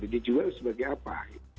dijual sebagai apa